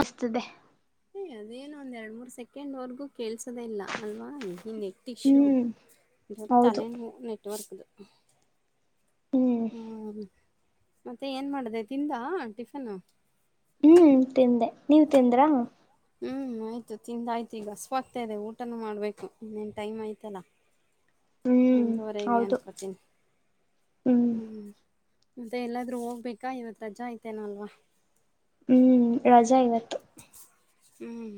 ಅಸ್ತದೆ ಅದೇನೋ ಒಂದ್ ಎರಡು ಮೂರ್ ಸೆಕೆಂಡ್ವರೆಗೂ ಕೇಳಸದೆೇ ಇಲ್ಲ ಅಲ್ವಾ ಹಿಂದೆ ಟಿಶ್ಯೂ ಹ್ಮ್ ಇ ಹೌದು ತಲೆನ ನೆಟ್ವರ್ಕ್ ಡು ಹ ಹ್ಮ್ ಮತ್ತೆ ಏನ್ ಮಾಡಿದೆ ತಿಂದ ಹಾ ಟಿಫನ್ ಹ್ಮ್ ತಿಂದೆ ನೀವ್ ತಿಂದ್ರಾ.. ಹ್ಮಞ ಆಯ್ತು ತಿಂದ ಆಯ್ತು ಈಗ ಹಸುವು ಆಗ್ತಾ ಇದೆ ಊಟನ ಮಾಡ್ಬೇಕು ಇನ್ನೇನು ಟೈಮ್ ಆಯ್ತಲ್ಲ ಹ್ಮ್ ಮುಂಜಾರೆೇಗನ್ ಹೌದು ಕತಿ ಹ್ಮ್ ಹ್ಮ ಮತ್ತೆ ಎಲ್ಲಾದ್ರೂ ಹೋಗ್ಬೇಕಾ ಇವತ್ ರಜಾ ಆಯ್ತೇನೋ? ಹ್ಮ್ ರಜಾ ಇವತ್ತು ಹ್ಮ್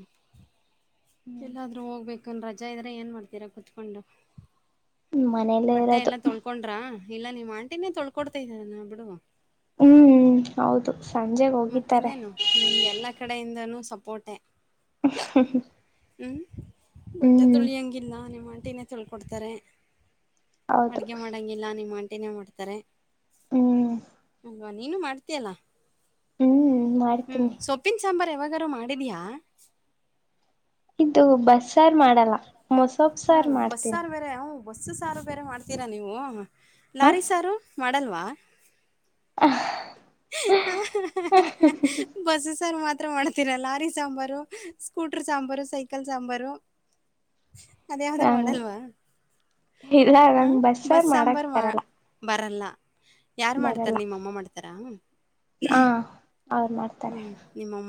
ಹ್ಮ್ ಎಲ್ಲಾದ್ರೂ ಹೋಗ್ಬೇಕ್ ಅಕ್ಕ ನ ರಜಾ ಇದ್ರೆ ಏನ್ ಮಾಡ್ತೀರಾ ಕುೂತ್ಕೊಂಡು ಮನೇಲ್ಲೇ ಬಟ್ಟೆ ಇರೋದು ಎಲ್ಲ ತೊಳ್ಕೊಂಡ್ರಾ ಇಲ್ಲಾ ನಿಮ್ ಆಂಟಿನೇ ತೊಳ್ಕೊಡ್ತಾ ಇದೆ ಅಲ್ಲಾ ಬಿಡು ಹ್ಮ್ ಹ್ಮ್ ಹೌದು ಸಂಜೆಗೆ ಒಗಿತಾರೆ ಮತ್ತಿನ್ನೇನು ನಿಮ್ಗೆ ಎಲ್ಲ ಕಡೆಯಿಂದನೂ ಸಪೋರ್ಟೆ ಹ್ ಹ್ಮ್ ಹ್ಮ್ ಹ್ಮ್ ಬಟ್ಟೆ ತೊಳಿಯಂಗಿಲ್ಲ ನಿಮ್ಮ ಆಂಟಿ ಟೀನೆ ತೊಳ್ಕೊಡ್ತಾರೆ ಹೌದು ಅಡ್ಗೆ ಮಾಡಂಗಿಲ್ಲ ನಿಮ್ ಆಂಟಿ ಅಂಟಿನೆ ಮಾಡ್ತಾರೆ ಹ್ಮ್ ಅ ನೀನು ಮಾಡ್ತಿಯಲ್ಲಾ ಹ್ಮ್ ಹ್ಮ್ ಮಾಡ್ತೀನಿ ಸೊಪ್ಪಿನ್ ಸಾಂಬಾರ ಯಾವಾಗಾರೂ ಮಾಡಿದೀಯಾ ಇದು ಬಸ್ಸಾರ್ ಮಾಡಲ್ಲಾ ಮೋಸೋಪ್ಸಾರು ಹ್ಮ್ ಮಾಡ್ತೀನಿ ಬಸ್ಸಾರು ಬೇರೆ ಹ್ಞೂ ಬಸ್ಸು ಸಾರು ಬೇರೆ ಮಾಡ್ತೀರಾ ನೀವು ಹ ಲಾರಿ ಸಾರು ಮಾಡ್ತ ಮಾಡಲ್ವಾ ಹ ಹ ಹಾ ಹಾ ಹ್ ಬಸ್ಸ ಸಾರು ಮಾಡ್ ಇತರ ಮಾಡ್ತೀರಾ lorry sambar scooter sambar cycle sambar ಅದ ಯಾವ್ದು ನಂಗ್ ಮಾಡಲ್ವಾ ಇಲ್ಲ ಹ ನಂಗ್ ಬಸ್ಸಾರ್ ಬಸ್ ಮಾಡಕ್ ಸಾಂಬಾರ್ ಮಾ ಬರಲ್ಲ ಬರಲ್ಲಾ ಯಾರ್ ಮಾಡ್ತಾರ ನಿಮ್ಮ ಅಮ್ಮ ಮಾಡ್ತಾರಾ ಹಾ ಅವ್ರು ಮಾಡ್ತಾರೆ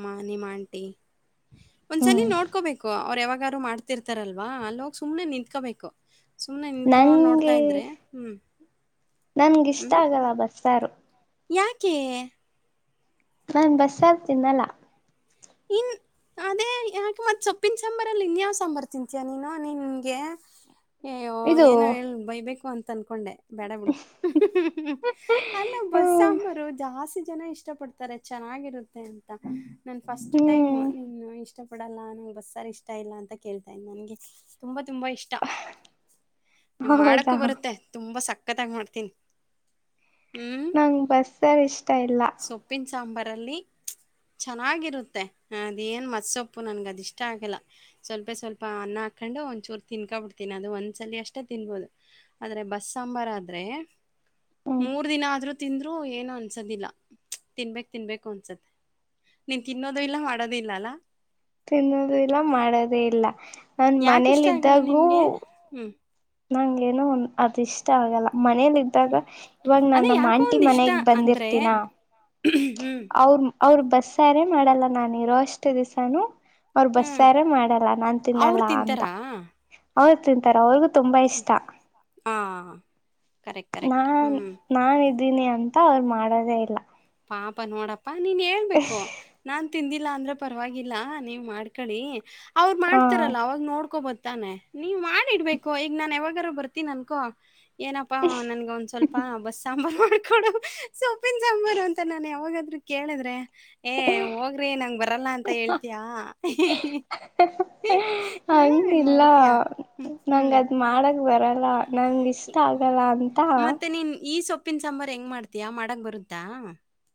ಮಾ ನಿಮ್ ಆಂಟಿ ಒಂದ್ಸಲಿ ಹ್ಮ್ ನೋಡ್ಕೋಬೇಕು ಅವ್ರ ಯಾವಾಗ್ ಯಾವಗಾರು ಮಾಡ್ತಿರ್ತಾರಲ್ವಾ ಅಲ್ಲೋಗ್ ಸುಮ್ನೆ ನಿಂತ್ಕೋಬೇಕು ಸುಮ್ನೆ ನಿಂತ್ಕೊಂಡ್ ನೋಡ್ತಾ ನಂಗೆ ಇದ್ರೆ ಹ್ಮ್ ನನ್ಗ ಹ್ಮ್ ಇಷ್ಟಾ ಆಗಲ್ಲ ಬಸ್ಸಾರು ಯಾಕೆ ನಾನ್ ಬಸ್ಸಾರ್ ತಿನ್ನಲ್ಲಾ ಇನ್ ಅದೇ ಯಾಕೆ ಮತ್ತ್ ಸೊಪ್ಪಿನ ಸಾಂಬಾರಲ್ಲಿ ಇನ್ಯಾವ್ ಸಾಂಬಾರ್ ತಿಂತೀಯ ನೀನು ನಿನ್ಗೆ ಅಯ್ಯೋ ಇದು ಏನೋ ಹೇಳ್ ಬೈಬೇಕು ಅನ್ ತನ್ಕೊಂಡೆ ಬೇಡ ಬಿಡು ಅಹ್ ಹ್ ಹ್ ಅಲ್ಲ ಬಸ್ ಹ್ಮ್ ಸಾಂಬಾರು ಜಾಸ್ ಜನ ಇಷ್ಟ ಪಡ್ತಾರೆ ಚೆನ್ನಾಗಿರುತ್ತೆ ಅಂತ ನನ್ ಫಸ್ಟ್ ಟೈಮು ಹ್ಮ್ ನಿ ಇಷ್ ಇಷ್ಟಪಡಲ್ಲ ನಂಗೆ ಬಸ್ಸರ್ ಇಷ್ಟ ಇಲ್ಲ ಅಂತ ಕೇಳ್ತಾ ಇನಿ ನನ್ಗೆ ತುಂಬಾ ತುಂಬಾ ಇಷ್ಟ. ನೀ ಹೌದಾ ಮಾಡಕು ಬರುತ್ತೆ ತುಂಬಾ ಸಕ್ ಸಕ್ಕತ್ತಾಗಿ ಮಾಡ್ತೀನ್ ನಂಗ್ ಬಸ್ಸಾರ್ ಇಷ್ಟ ಇಲ್ಲ. ಸೊಪ್ಪಿನ ಸಾಂಬಾರಲ್ಲಿ ಚೆನ್ನಾಗಿ ಇರುತ್ತೆ ಅದೇನ್ ಮಸ್ಸೊಪ್ಪು ನನ್ಗ್ ಅದ್ ಇಷ್ಟ ಆಗಲ್ಲ ಸ್ವಲ್ಪ ಸ್ವಲ್ಪ ಅನ್ನ ಹಾಕೊಂಡು ಒಂದಚೂರು ತಿನ್ಕೊ ಬಿಡ್ತೀನಿ ಅದು ಒಂದ್ಸಲಿ ಅಷ್ಟೇ ತಿನ್ಬೋದು ಆದ್ರೆ ಬಸ್ಸ್ ಸಾಂಬಾರ ಆದ್ರೆ ಹ್ಮ್ ಮೂರ್ ದಿನ ಆದ್ರು ತಿಂದ್ರು ಏನು ಅನ್ಸೋದಿಲ್ಲ ತಿನ್ಬೇಕ್ ತಿನ್ಬೇಕು ಅನ್ಸುತ್ತೆ ನಿನ್ ತಿನ್ನೋದು ಇಲ್ಲ ಮಾಡೋದು ಇಲ್ಲ ಅಲ ತಿನ್ನೋದು ಇಲ್ಲ ಮಾಡೋದೇ ಇಲ್ಲ. ನನ್ ಯಾಕೆ ಇಷ್ಟ ಆಗಲ್ಲ ಮನೇಲಿದ್ದಾಗು ನಿನಗೆ ಹ್ಞೂ ಟ ಆಗಲ್ಲ ಮನೇಲಿ ಇದ್ದಾಗ ಹ್ಞೂ ಇವಾಗ ನಾ ಅದೇ ನಮ್ಮ ಯಾಕೋ ಆಂಟಿ ಒಂದು ಇಷ್ಟ ಮನೆಗ್ ಅಂದರೆ ಬಂದಿರ್ತೀನ ಹ್ಞೂ ಅವ್ರ್ ಅವ್ರ್ ಬಸ್ಸಾರೇ ಮಾಡಲ್ಲ ನಾನು ಇರೋ ಅಷ್ಟು ದಿವ್ಸನು ಅವ್ರ ಹ್ಞೂ ಬಸ್ಸಾರೆ ಮಾಡಲ್ಲ ನಾನ್ ಅವ್ರು ತಿನ್ನಲ್ಲ ಅಂತ. ತಿಂತಾರಾ ಅವ್ರು ತಿಂತಾರೆ ಅವ್ರುಗು ಹಾ ಕರೆಕ್ಟ್ ಕರೆಕ್ಟ್ ನಾನ್ ಹ್ಮ್ ನಾವ್ ಇಬ್ ದಿನಿ ಅಂತ ಅವ್ರು ಮಾಡೋದೇ ಇಲ್ಲ. ಪಾಪ ನೋಡ ಪ್ಪಾ ನೀನ್ ಹೇಳ್ಬೇಕು ನಾನ್ ತಿಂದಿಲ್ಲಾ ಅಂದ್ರೆ ಪರ್ವಾಗಿಲ್ಲ ನೀವ್ ಮಾಡ್ಕಳಿ ಅವ್ರು ಹ ಮಾಡ್ತಾರಲ್ಲ ಅವಾಗ ನೋಡ್ಕೊಬೋ ತಾನೆ ನೀವ್ ಮಾಡಿಡ್ಬೇಕು ಈಗ್ ನಾನ್ ಯಾವಾಗ್ ಗಾರು ಬರ್ತಿನ್ ಅನ್ಕೋ ಏನಪ್ಪಾ ನನ್ಗ ಒಂದ್ ಸ್ವಲ್ಪ ಬಸ್ ಸಾಂಬಾರ್ ಮಾಡ್ ಕೊಡು ಸೊಪ್ಪಿನ್ ಸಾಂಬಾರ್ ಸರ್ ನಾನು ಯಾವಾಗಾದ್ರೂ ಕೇಳಿದ್ರೆ ಏ ಹೋಗ್ರಿ ನಂಗ ಬರಲ್ಲ ಅಂತ ಹೇಳ್ತೀಯಾ [unintelligible] ಹೆಂಗ ಹಂಗಿಲ್ಲ ಮಾಡ್ತಯ ಹ್ಮ್ ಅಲ್ಲ ನಂಗ್ ಇಷ್ಟ ಆಗಲ್ಲ ಅಂತ ಮತ್ತೆ ನೀನ ಈ ಸೊಪ್ಪಿನ ಸಾಂಬಾರ್ ಹೆಂಗ್ ಮಾಡ್ತಯಾ? ಮಾಡಕ ಬರುತ್ತಾ?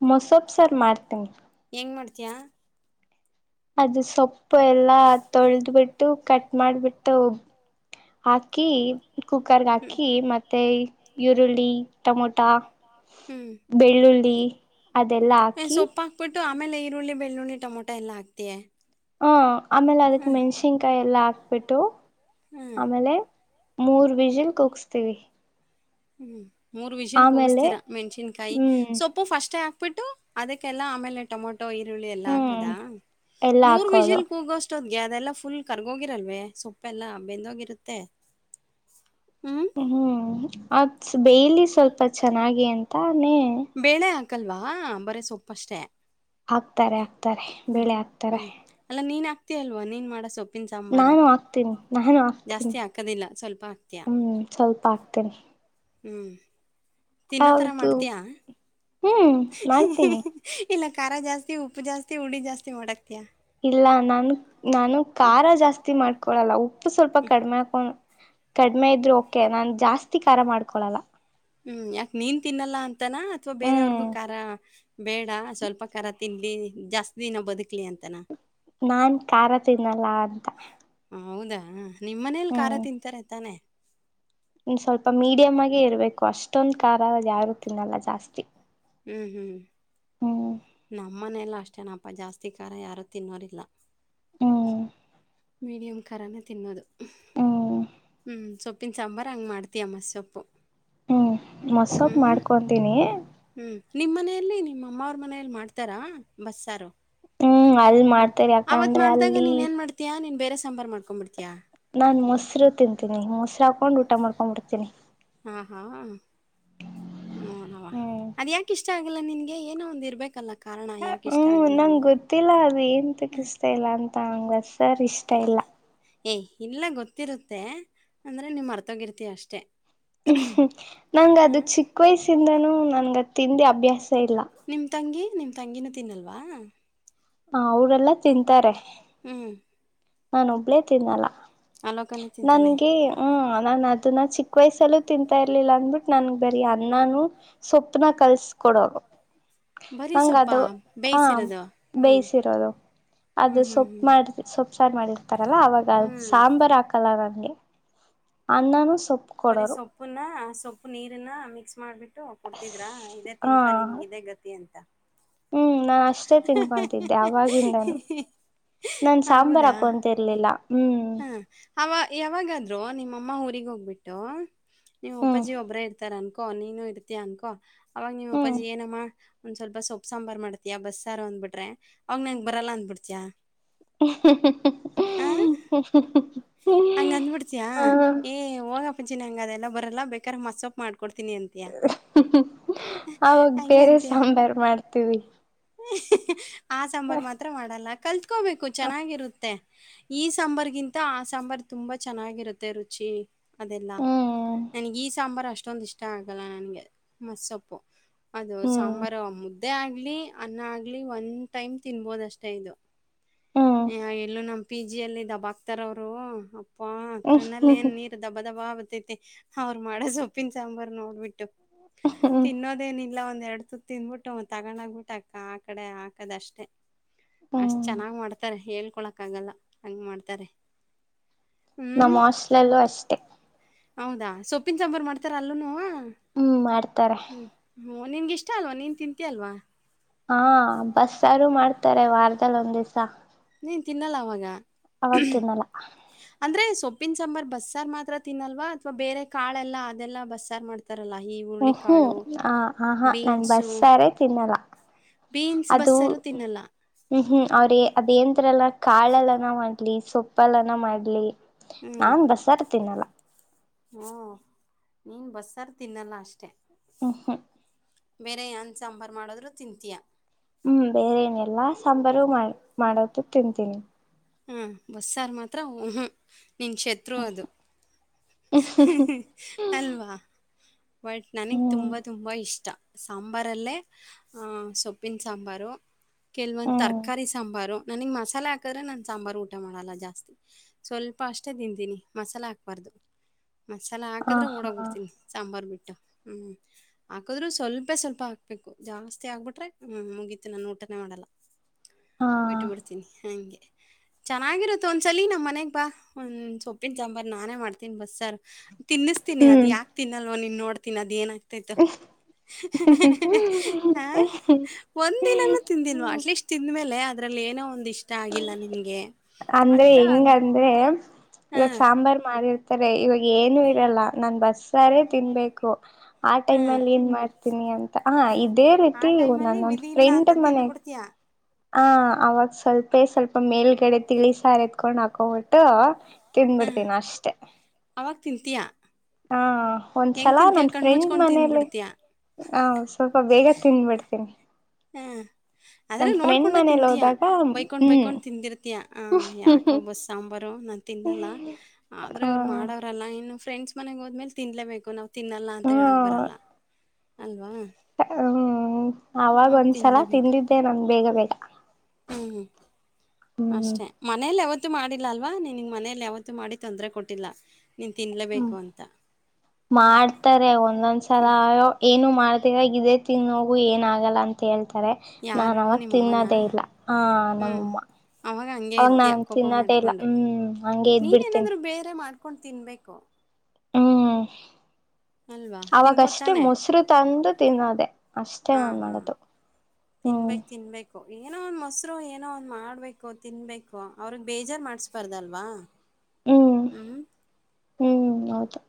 ಮೊಸೊಪ್ಪ ಸಾರ ಮಾಡ್ತೀನಿ. ಹೆಂಗ ಮಡಿಯ ಅದು ಸೊಪ್ಪು ಎಲ್ಲ ತೊಳದು ಬಿಟ್ಟು ಕಟ್ ಮಾಡಬಿಟ್ಟ ಹಾಕಿ ಕುಕ್ಕರಗ ಹ್ಮ್ ಹಾಕಿ ಮತ್ತೆ ಇರುಳ್ಳಿ ಟಮೊಟಾ ಹ್ಮ್ ಬೆಳ್ಳುಳ್ಳಿ [inaudible] ಅದೆಲ್ಲಾ ಹಾಕಿ ಟ್ಟು ಆಮೇಲೆ ಈರುಳ್ಳಿ, ಬೆಳ್ಳುಳ್ಳಿ, ಟೊಮೊಟ ಎಲ್ಲ ಹಾಕ್ತಿಯಾ ಹ ಆಮೇಲೆ ಅದಕ ಮೆಣಸಿನಕಾಯ ಎಲ್ಲ ಹಾ ಬಿ ಟ್ಟು ಹ್ಮ್ ಆಮೇಲೆ ಮೂರ ವಿಸಿಲ್ ಕೂಗುಸ್ತೀವಿ. ಹ್ಮ್ ಮೂರ್ ವಿಜಿಲ್ ಕೂಗಿಸ್ತೀರಾ ಮೆಣಸಿನಕಾಯಿ ಹ್ಮ್ ಸೊಪ್ಪು ಫಸ್ಟೇ ಪ್ಪಬಿಟ್ಟು ಅದಕ್ಕೆಲ್ಲ ಆಮೇಲೆ ಟೊಮೊಟ್ ಟೊ ಈರುಳ್ಳಿ ಎಲ್ಲಾ ಹ್ಮ್ ಹಾಕದ ಎಲ್ಲ ಮೂರ್ ಹಾಕೋದು ವಿಷಲ್ ಕೂಗೋಷ್ಟ ಅದೆಲ್ಲ ಫುಲ್ ಕರ್ಗೋಗಿರಲ್ವೇ ಸೊಪ್ಪೆಲ್ಲ ಬೆಂದೋಗಿರುತ್ತೆ. ಹ್ಮ್ ಅದ ಬೇಯಲಿ ಸ್ವಲ್ಪ ಚೆನ್ನಾಗಿ ಅಂತ ಬೇಳೆ ಹಾಕ ಹಾಕ್ಕಲ್ವಾ ಬರೇ ಸೊಪ್ಪ ಅಷ್ಟೇ. ಹಾಕ್ತಾರೆ ಹಾಕ್ತಾರೆ ಬೆಳೆ ಹಾಕ್ತಾರೆ. ಹಾಕ್ತಿಯಲ್ವಾ ನೀನ್ ಮಾಡೋ ಸೊಪ್ಪು ನಾವು ಹಾಕ್ತಿನಿ ನಾನು ಹಾಕ್ತೀನಿ ಜಾಸ್ತಿ ಹಾಕೋದಿಲ್ಲ, ಸ್ವಲ್ಪ ಹಾಕ್ತೀಯ. ಹ್ಮ್ ಸ್ವಲ್ಪ ಹಾಕ್ತೀನಿ ಹ್ಮ್.. ತಿನ್ನೋತರ ಹೌದು ಮಾಡ್ತೀಯಾ? ಹ್ಮ್ ಮಾಡ್ತೀನಿ ಇಲ್ಲಾ ಖಾರ ಜಾಸ್ತಿ ಉಪ್ಪು ಜಾಸ್ತಿ ಹುಳಿ ಜಾಸ್ತಿ ಮಾಡಕ್ ಇಲ್ಲಾ ನಾನ್ ನಾನು ಹ್ಮ್. ಖಾರ ಜಾಸ್ತಿ ಮಾಡ್ ಕೋಳಲ್ಲಾ ಉ ಉಪ್ಪು ಸ್ವಲ್ಪ ಕಡಮೆ ಹಾಕೊಂಡ ಕಡಿಮೆ ಇದ್ರು ಓಕೆ ನಾನ್ ಜಾಸ್ತಿ ಅತೀ ಖಾರಾ ಮಾಡ್ಕೊಳಲ್ಲಾ ಹ್ಮ್ ಯಾಕ್ ನೀನ್ ತಿನ್ನಲ್ಲಾ ಅಂತಾನ ಅಥವಾ ಬೇರೆ ಹ್ಮ್ ಅವರ್ಗೂ ಖಾರ ಬೇಡಾ ಸ್ವಲ್ಪ ಖಾರ ತಿನ್ಲಿ ಜಾಸ್ತಿ ದಿನ ಬದುಕ್ಲಿ ಅಂತಾನ. ನಾನ್ ಖಾತೆ ತಿನ್ನಲ್ಲ ಅಂತಾ ಹೌದಾ? ನಿಮ್ಮ ಮನೇಲ್ ಖಾರ ತಿಂತ್ತಾರೆ ತಾನೆ ಒಂದ್ ಸ್ವಲ್ಪ ಮೀಡಿಯಮ್ ಆಗೆ ಇರ್ಬೇಕು ಅಷ್ಟೊಂದ್ ಖಾರ ಯಾರು ತಿನ್ನಲ್ಲ ಜಾಸ್ತಿ ಹ್ಞೂ ಹ್ಞೂ ಹ್ಮ್ ನಮ್ಮ ಮನೇಲು ಅಷ್ಟೇನಪ್ಪ ಜಾಸ್ತಿ ಖಾರ ಯಾರೂ ತಿನ್ನೋರಿಲ್ಲ ಹ್ಮ ಮೀಡಿಯಂ ಖಾರಾನೆ ತಿನ್ನೋದು ಹ್ಮ್ ಹ್ಮ್ ಸೊಪ್ಪಿನ ಸಾಂಬಾರ ಹಂಗ್ ಮಾಡ್ತೀಯ ಮಸೊಪ್ಪು ಹ್ಮ್ ಮೊಸೊಪ್ ಹ್ಮ್ ಮಾಡ್ಕೊತೀನಿ ಹ್ಮ್ ನಿಮ್ ಮನೇಲಿ ನಿಮ್ ಅಮ್ಮ ಅವ್ರ ಮನೆಯಲ್ಲಿ ಮಾಡ್ತಾರಾ ಬಸ್ ಸಾರು. ಹ್ಮ್ ಅಲ್ಲಿ ಹ್ಮ್ ಮಾಡ್ತೇರಿ ಅವತ್ ಯಾಕಂದ್ರೆ ಮಾಡ್ದಾಗ ಅಲ್ಲಿ ನೀನ್ ಏನ್ ಮಾಡ್ತೀಯಾ ನೀನ್ ಬೇರೆ ಸಾಂಬಾರ ಮಾಡ್ಕಂಡ್ ಬಿಡ್ ನಾನ್ ಮೊಸರು ತಿಂತೀನಿ ಮೊಸರಾ ಹಾಕೊಂಡ್ ಊಟಾ ಮಾಡ್ಕೊಂಡು ಬಿಡ್ತೀನಿ ಹ ಹಾ ನೋಡೋವ ಹ್ಮ್ ಅದ ಯಾಕ್ ಇಷ್ಟ ಇಷ್ಟಾ ಆಗಲ್ಲ ನಿನ್ಗೆ ಏನೋ ಒಂದ ಇರ್ಬೇಕಲ್ಲಾ ಹ್ಮ್ ನಂಗ ಗೊತ್ತಿಲ್ಲ ಅದು ಎಂತಕ್ಕ ಇಷ್ಟಾ ಇಲ್ಲ ಅಂತ ಹಂಗ್ ಅಷ್ಟ ಸಾರ್ ಇಷ್ಟ ಇಲ್ಲಾ ಏಯ್ ಇಲ್ಲ ಗೊತ್ತಿರುತ್ತೆ ಅಂದ್ರೆ ನಿ ಮಾರ್ತೋಗ್ ಇರ್ತೀಯಾ ಅಷ್ಟೇ ಹ್ಮ್ ನಂಗ ಅದು ಹಾಂ ಚಿಕ್ಕ ವಯಸ್ಸಿಂದನೂ ನನ್ಗ ಅದು ತಿಂದಿ ಅಭ್ಯಾಸ ಇಲ್ಲ ನಿಮ್ ತಂಗಿ ನಿಮ್ ತಂಗಿನು ತಿನ್ನಲ್ವಾ ಹ ಅವರೆಲ್ಲಾ ತಿಂತಾರೆ ಹ್ಮ್ ನಾನ್ ಒಬ್ಳೇ ತಿನ್ನಲ್ಲಾ ಅವಲೋಕನು ತಿಂತಾನೆ ನನ್ಗೆ ಹ್ಮ ನಾ ಅದನ್ನಾ ಚಿಕ್ ವಯಸ್ಸಲ್ಲೂ ತಿಂತಾ ಇರ್ಲಿಲ್ಲಾ ಅಂದ್ಬಟ್ಟು ನನ್ಗ್ ಬರಿ ಅನ್ನಾನು ಸೊಪ್ಪ ಸೊಪ್ಪನ ಕಲ್ಸ ಕೊಡೊ ಬರೀ ನಂಗ ಸೊಪ್ಪಾ ಅದು ಹ ಬೇಯಿಸಿರೋದು ಹ್ಞೂ ಬೇಯಿಸಿರೋದು ಹ್ಞೂ ಅದು ಹ್ಞೂ ಸೊಪ್ಪು ಹ್ಞೂ ಮಾಡ ಸೊಪ್ಪ ಸಾರ್ ಮಾಡಿರ್ ಇತಾರಲ್ಲ ಅವಾಗ ಅ ಹ್ಞೂ ಸಾಂಬರ್ ಹಾಕಲ್ಲ ನಂಗೆ ಅನ್ನಾನು ಸಾ ಬರಿ ಸೊಪ್ಪುನಾ ಸೊಪ್ಪು ನೀರನ್ನ ಮಿಕ್ಸ್ ಮಾಡ್ಬೇಕ್ ಅಂದ್ಬಿಟ್ಟು ಕೊಡ್ತಿದ್ರಾ ಇದೇ ಹಾ ತಿನ್ಕ ನಿನ್ಗೆ ಇದೇ ಗತಿ ಅಂತ ಹ್ಮ್ ನಾ ಅಷ್ಟೇ ತಿನ್ಕೊಂತಿದ್ದೆ ಅವಾಗಿಂದಾನು ನಾನ್ ಸಾಂಬಾರ್ ಹಾಕೊಂತರ್ಲಿಲ್ಲ ಹ್ಮ್ ಹ್ಮ ಅವ ಯಾವಾಗಾದ್ರು ನಿಮ್ಮಮ್ಮ ಊರಿಗ ಹೋಗ್ಬಿಟ್ಟು ನಿಮ್ ಹ್ಮ್ ಅಪ್ಪಾಜಿ ಒಬ್ರೆ ಇರ್ತಾರ ಅನ್ಕೋ ಓ ನೀನು ಇರ್ತಿಯಾ ಅನ್ಕೋ ಅವಾಗ ನಿಮ್ ಹ್ಮ್ ಅಪ್ಪಾಜಿ ಎನ್ ಅಮ್ಮಾ ಒಂದ್ ಸ್ವಲ್ಪಾ ಸೊಪ್ಪ ಸಾಂಬಾರ್ ಮಾಡತಿಯಾ ಬಸ್ಸಾರು ಅಂದ ಬಿಟ್ರೆ ಅವಾಗ ನಂಗ ಬರಲ್ಲ ಅಂದ್ಬಿಡ್ತಿಯಾ [inaudible] ಹಂಗ್ ಅಂದ ಬಿಡ್ತೀಯಾ ಏ ಹೋ ಹೋಗ್ ಅಪ್ಪಾಜಿ ನಂಗ್ ಅದೆಲ್ಲಾ ಬರಲ್ಲಾ ಬೇಕಾರ್ ಮಸೊಪ್ ಮಾಡ್ ಹ್ ಹ್ ಹ್ ಅವಾಗ ಹಂಗೆ ಬೇರೆ ಅಂತಯ ಸಾಂಬರ್ ಮಾಡ್ತೀವಿ ಹ ಆ ಸಾಂಬರ್ ಮಾತ್ರ ಮಾಡಲ್ಲಾ ಕಲ್ತ್ ಕತ್ಕೋಬೇಕು ಚೆನ್ನಾಗಿರುತ್ತೆ ಈ ಸಾಂಬರ್ ಈಗಿಂತ ಆ ಸಾಂಬರ್ ತುಂಬಾ ಚೆನ್ನಾಗಿರುತ್ತೆ ರುಚಿ ಅದೆಲ್ಲ ಹ್ಮ್ ನನಗ ಈ ಸಾಂಬಾರ್ ಅಷ್ಟ ಅಷ್ಟೊಂದ ಇಷ್ಟ ಆಗಲ್ಲ ನನ್ಗೆ ಮಸ್ಸೊಪ್ಪು ಅದು ಹ್ಮ್ ಸಾಂಬಾರೊ ಮು ಅದೇ ಆಗ್ಲಿ ಅನ್ನ ಆಗ್ಲಿ ಒಂದ್ ಟೈಮ್ ತಿನ್ಬೋದಷ್ಟೇ ಇದು ಹ್ಮ್ ಹ್ ಎಲ್ಲೂ ನಮ್ ಪಿ ಜಿ ಎಲ್ಲಿ ತಬಾಕ್ ತರ ಅವರು. ಯಪ್ಪಾ ಕಣ್ಣಲ್ಲಿ ಏನ್ ನೀರ್ ದಬ ದಬ ಅವ್ರು ಮಾಡೋ ಸೊಪ್ಪಿನ ಸಾಂಬಾರ ನೋಡ್ಬಿಟ್ಟು. ಹ್ಮ್ ತಿನ್ನೋದೇನ ಇಲ್ಲ ಒಂದ. ಎರಡು ತುತ್ತು ತಿಂದು ಬಿಟ್ಟು ತಗೊಂಡ್ ಹೋಗಿ ಬಿಟ್ಟು ಆ ಕಡೆ ಆ ಕಡೆ ಹಾಕೋದಷ್ಟೇ. ಅಷ್ಟ್ ಹ್ಮ್ ಚೆನ್ನಾಗ್ ಮಾಡ್ತಾರೆ ಹೇಳ್ ಕೊಳಕ್ಕಾಗಲ್ಲ ಹಂಗೆ ಮಾಡ್ತಾರೆ. ಹ್ಮ್ ನಮ್ಮ ಹಾಸ್ಟೆಲ್ ಲಲೂ ಅಷ್ಟೆ. ಹೌದಾ ಸೊಪ್ಪಿನ ಸಾಂಬಾರು ಮಾಡ್ತಾರ ಅಲ್ಲೂನು. ಹ್ಮ್ ಮಾಡ್ತಾರೆ. ಹ್ಮ ನಿನ್ಗ ಇಷ್ಟ ಅಲ್ವಾ ನೀನ್ ತಿಂತಿ ಅಲ್ವಾ. ಹಾ ಬಸ್ಸಾರು ಮಾಡ್ತಾರೆ ವಾರದಲ್ಲಿ ಒಂದ್ ದಿವ್ಸ. ನೀನ್ ತಿನ್ನಲ್ಲ ಅವಾಗ. ಅವಾಗ್ ತಿನ್ನಲ್ಲ. ಉಪ್ಪಿನ ಸಾಂಬಾರ್ ಬಸ್ಸಾರು ಮಾತ್ರ ತಿನ್ನಲ್ವಾ ಅಥವಾ ಬೇರೆ ಕಾಳೆಲ್ಲ ಅದೆಲ್ಲ ಬಸ್ಸಾರು ಮಾಡ್ತ- ಹ್ಮ್ ಹ್ಮ್ ಆ ಆ ಹಾ ನನ್ ಬೀನ್ಸು ಬಸ್ಸಾರೇ ತಿನ್ನಲ್ಲ ಬೀನ್ಸ್ ಅದು ಬಸ್ಸಾರು ತಿನ್ನಲ್ಲ ಹ್ಮ್ ಹ್ಮ್ ಅವ್ರ ಅದೇನ್. ತತ್ರೇ ಲಾಖ [unintelligible] ಕಾಳೆಲ್ಲನ ಮಾಡ್ಲಿ ಸೊಪ್ಪ- ಪಾಲನ ಮಾಡ್ಲಿ. ಹ್ಮ್ ನಾನ್ ಬಸ್ಸಾರು ತಿನ್ನಲ್ಲ. ನೀನು ಬಸ್ಸಾರು ತಿನ್ನಲ್ಲ ಅಷ್ಟೇ. ಹ್ಹು ಹ್ಹು.. ಬೇರೆ ಏನ್ ಸಾಂಬಾರು ಮಾಡಿದ್ರು ತಿಂತೀಯಾ. ಹ್ಮ್ ಬೇರೆ ಏನೆಲ್ಲಾ ಸಾಂಬಾರು ಮಾಡ ಮಾಡದು ತಿಂತೀನಿ. ಹಾ ಬಸ್ಸಾರ್ ಮಾತ್ರ. ಹೂ ಹ್ಹು. ನಿನ್ನ ಶತ್ರು ಅದು. ಹೂ.. ಹ್ಹು.. ಅಲ್ವಾ ಬಟ್ ನನಗೆ ಹ್ಮ್ ತುಂಬ ತುಂಬ ಇಷ್ಟ. ಸಾಂಬಾರಲ್ಲೇ ಸೊಪ್ಪಿನ ಸಾಂಬಾರು. ಕೆಲವೊಂದು ಹ್ಮ್ ತರಕಾರಿ ಸಾಂಬಾರು. ನನಗ್ ಮಸಾಲೆ ಹಾಕೀದ್ರೆ. ಸಾಂಬಾರು ಊಟ ಮಾಡಲ್ಲ ಜಾಸ್ತಿ ಸ್ವಲ್ಪ ಅಷ್ಟೇ ತಿಂತೀನಿ ಮಸಾಲೆ ಹಾಕ್ಬಾರ್ದು. ಮಸಾಲ ಆ ಹಾಕಿದ್ರೆ ಓಡಿ ಹಾ ಹೋಗಿಬಿಡ್ತೀನಿ ಸಾಂಬಾರಾರ್ ಬಿಟ್ಟು. ಹ್ಮ್ ಹಾಕದ್ರು ಸ್ವಲ್ಪೇ ಸ್ವಲ್ಪ ಹಾಕ್ಬೇಕು ಜಾಸ್ತಿ ಆಗ್ಬಿಟ್ರೆ ಹ್ಮ್ ಮುಗೀತು ನಾನು ಊಟನೇ ಮಾಡಲ್ಲ. ಹಾ ಬಿಟ್ಟು ಬಿಡ್ತೀನಿ ಹಂಗೆ. ಚೆನ್ನಾಗಿರುತ್ತ ಒಂದ್ಸಲ ನಮ್ ಮನೆಗ್ ಬಾ ಒ ಸೊಪ್ಪಿನ ಸಾಂಬಾರ್ ನಾನೇ ಮಾಡ್ತೀನಿ ಬಸ್ಸಾರ್. ತಿನ್ನಿಸ್ತಿನನಿ ಅದು ಹ್ಮ್ ಯಾಕ ತಿನ್ನಲ್ಲ ನೊ ನೀನ್ ನೋಡ್ತೀನಿ ಅದೇನ ತಿದ್ದೋ [unintelligible] ಹ ಒಂದ ದಿನಾನೂ ತಿಂದೀಲ್ವಾ ಅಟ್ಲೀಸ್ಟ್ ತಿಂದ್ಮೇಲೆ ಅ ಅದ್ರಲ್ ಏನೋ ಒಂದ್ ಇ ಇಷ್ಟಾ ಆಗಿಲ್ಲಾ ನಿಂಗ್ ಅಂದ್ರೆ ಹೆಂಗಂದ್ರೆ ಏ ಇವಾಗ ಹಾಂ ಸಾಂಬಾರ್ ಮಾಡಿರ್ ತ್ತಾರೆ ಇವಾಗ ಏನು ಇರಲ್ಲಾ ನಾನ್ ಬಸ್ಸಾರೇ ತಿನ್ಬೇಕು ಆ ಟೈಮ್ ಹಾಂ ಅಲ್ಲಿ ಏನ್ ಮಾಡ್ ತಿನ್ನಿ ಅಂತಾ ಹಾ ಇಗ್ ಇದೇ ಆ ರೀತಿ ಒಂದ್ ಟೈಮಲ್ಲಿ ನನ್ನೊಂದು ವಿಧಿ ಇಲ್ಲ ಫ್ರೆಂಡ್ ಅಂತ ಮನೆ ತಿಂದ್ಬಿಡ್ತೀಯ ಹ ಅವಾಗ ಸ್ವಲ್ಪೇ ಸ್ವಲ್ಪ ಮೇಲ್ಗಡೆ ತಿಳಿಸಾರ ಎತ್ಕೊಂಡ್ ಹಾಕೋಬಿಟ್ಟು ತಿನ್ಬಿಡ್ತೀನಿ ಅಷ್ಟೆ ತೀಯಾ ಹಾ ಒಂದ್ಸಲಾ ನನ್ ಫ್ರೆಂಡ್ ಕಣ್ಮುಚ್ಕೊಂಡು ಮನೇಲಿ ತಿಂದ್ಬಿಡ್ತೀಯ ಹ ಸ್ವಲ್ಪ ಬೇಗಾ ತಿಂದಬಿಡ್ತೇನಿ ಹ ಆದ್ರೆ ನೋಡ್ಕೊಂಡೆ ತಿಂತೀಯಾ ಹೋದಾಗ ಬೈಕೊಂಡ್ ಹ್ಮ್ ಬೈಕೊಂಡ್ ತಿಂದೀರ್ತಿಯಾ ಆ ಯಾಕೋ ಬಸ್ ಸಾಂಬಾರೊ ನಾನ್ ತಿನ್ನಲ್ಲ ಆದ್ರೂ ಹ ಇವ್ರು ಮಾಡೋರಲ್ಲಾ ಇನ್ನು ಫ್ರೆಂಡ್ಸ್ ಮನೆಗ್ ಹೋದ್ಮಲೆ ತಿನ್ಲೆಬೇಕು ನಾವ್ ತಿನ್ನಲ್ಲಾ ಹ್ಮ ಅಂತಾ ಹೇಳಕ್ ಬರಲ್ಲಾ ಅಲ್ವಾ ಹ್ಮ್ ಅವಾಗ ಆವಾಗ ಒಂದ್ಸಲ ತಿನ್ನಲೇಬೇಕು ತಿಂದಿದ್ದೆ ನಾನ್ ಬೇಗಾ ಬೇಗಾ ಹ್ಮ ಹ್ಮ್ ಅಷ್ಟೆ ಮನೇಲ್ ಯಾವತ್ ತು ಮಾಡಿಲ್ಲ ಅಲ್ವಾ ನಿ ನಿನ್ ಮನೇಲಿ ಯಾವತ್ತು ಮಾಡಿ ತೊಂದ್ರೆ ಕೊಟ್ಟಿಲ್ಲಾ ಹ್ಮ್ ಮಾಡ್ತಾರೆ ಹ್ಞೂ ಒಂದೊಂದ್ಸಲಾ ಏನು ಮಾಡ್ತಿದೆ ಈಗ್ ಇದೇ ತಿನ್ ಹೋಗು ಎನ್ ಆಗಲ್ಲಾ ಅಂತ ಹೇಳ್ತ ನಾನ್ ಯಾರು ಅವಾಗ್ ನಿಮ್ಮಮ್ಮನಾ ತಿನ್ನದೇ ಇಲ್ಲಾ ಹ ಹ್ಞೂ ನಮ್ಮಮ್ಮ ಹಂಗೆ ಅವಾಗ ಇರ್ತೀಯ ನಾನ್ ಕೋಪ ತಿನ್ನದೇ ಇಲ್ಲ ಮಾಡಿಕೊಂಡು ಹ್ಮ್ ಹಂಗೆ ಇದ್ ಬಿಡ್ತೀನಿ ಮಾಡ್ಕೊಂಡ್ ತಿನ್ಬೇಕು ಹ್ಮ ಅಲ್ವಾ ತಿನ್ಬೋದ್ ಅವಾಗಷ್ಟೇ ತಾನೆ ಮೊಸರು ತಂದು ತಿನ್ನೋದೆ ಅಷ್ಟೇ ಹಾ ನಾನ್ ಹಾ ಮಾಡೋದು ಹ್ಮ್ ತಿನ್ಬೇಕು ತಿನ್ಬೇಕು ಏನೋ ಒಂದ್ ಮೋಸ್ರೊ ಏನೋ ಒಂದ್ ಮಾಡ್ಬೇಕು ತಿನ್ಬೇಕು ಅವರ್ಗ್ ಬೇಜಾರ್ ಮಾಡ್ಸ್ಬಾರ್ದಾಲ್ವ ಹ್ಮ್ ಹ್ಮ್ ಹೌದು